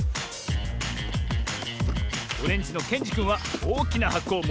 オレンジのけんじくんはおおきなはこをもってきたぞ。